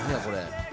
これ。